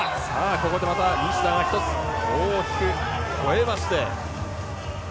ここでまた西田が１つ大きくほえまして。